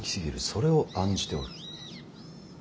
それを案じておる。